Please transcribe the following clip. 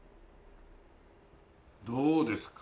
どうですか？